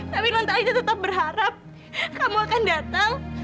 tapi nontalita tetap berharap kamu akan datang